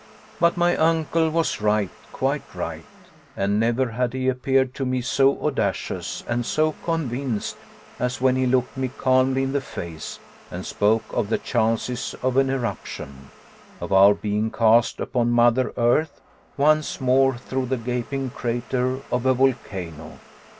But my uncle was right, quite right, and never had he appeared to me so audacious and so convinced as when he looked me calmly in the face and spoke of the chances of an eruption of our being cast upon Mother Earth once more through the gaping crater of a volcano!